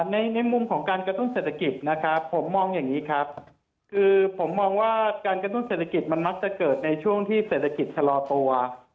ในมุมของการกระตุ้นเศรษฐกิจนะครับผมมองอย่างนี้ครับคือผมมองว่าการกระตุ้นเศรษฐกิจมันมักจะเกิดในช่วงที่เศรษฐกิจชะลอตัว